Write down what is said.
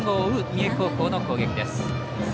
三重高校の攻撃です。